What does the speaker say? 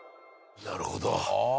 なるほど。